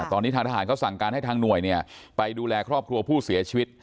ตอนนี้ทางทหารเขาสั่งการให้ทางหน่วยไปดูแลครอบครัวผู้เสียชีวิต